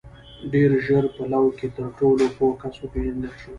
• ډېر ژر په لو کې تر ټولو پوه کس وپېژندل شو.